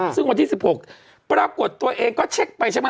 ซึ่งวันที่๑๖ปรากฏตัวเองก็เช็คไปใช่ไหม